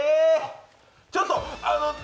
ちょっと！